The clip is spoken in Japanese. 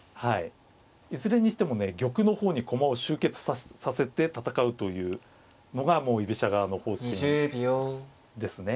いずれにしてもね玉の方に駒を集結させて戦うというのが居飛車側の方針ですね。